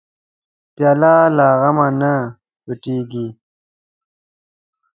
پیاله له غم نه هم پټېږي.